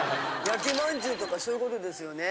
焼きまんじゅうとかそういう事ですよね。